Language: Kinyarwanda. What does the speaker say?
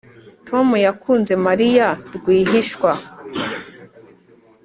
Tom yakunze Mariya rwihishwa